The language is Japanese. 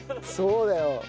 そうだよ。